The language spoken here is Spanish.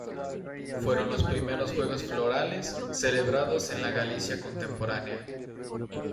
Fueron los primeros juegos florales celebrados en la Galicia contemporánea.